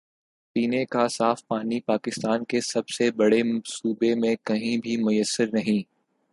پینے کا صاف پانی پاکستان کے سب سے بڑے صوبے میں کہیں بھی میسر نہیں۔